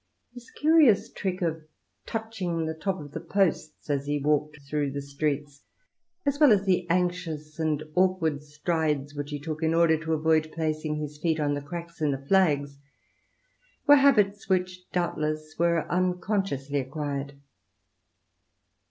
His curious trick of touching the top of the s as he walked through the streets, as well as the 17 INTRODUCTION. anxious and awkward strides which he took in order to avoid placing his feet on the cracks in the flags, were habits which doubtless were unconsciously acquired.